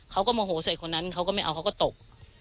โมโหใส่คนนั้นเขาก็ไม่เอาเขาก็ตบ